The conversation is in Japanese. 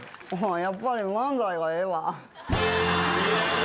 やっぱり漫才がええわ。